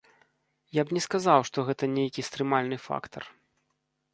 Я б не сказаў, што гэта нейкі стрымальны фактар.